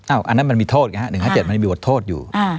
อ้าวอันนั้นมันมีโทษไงฮะหนึ่งห้าเจ็ดมันมีบทโทษอยู่อ่า